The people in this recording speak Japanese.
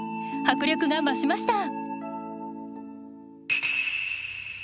迫力が増しました。